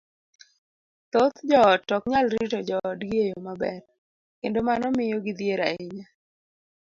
thoth joot ok nyal rito joodgi e yo maber, kendo mano miyo gidhier ahinya.